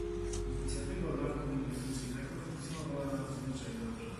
Inicjatywa Banku Inwestycyjnego funkcjonowała nadzwyczaj dobrze